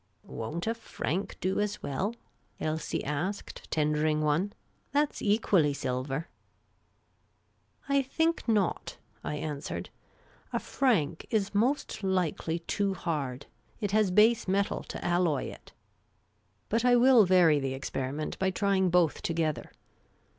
" Won't a franc do as well ?" Elsie asked, tendering one. "That 's equally silver." " I think not," I answered. A franc is most likely too hard ; it has base metal to alloy it. But I will vary the ex periment by trying both together.